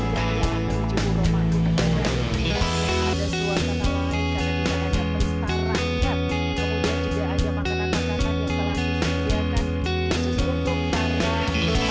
saya ingin mengucapkan terima kasih kepada anda semua yang telah menonton video ini